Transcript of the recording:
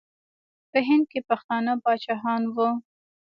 په هند کې پښتانه پاچاهان وو.